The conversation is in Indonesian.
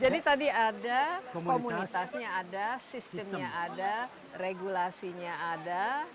jadi tadi ada komunitasnya ada sistemnya ada regulasinya ada